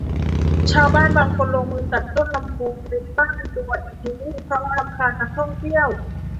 ชาวบ้านบางคนลงมือตัดต้นลำพูริมบ้านตัวทิ้ง เพราะรำคาญนักท่องเที่ยว